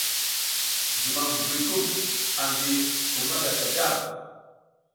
Zumam buy angi kum ma gaka gar.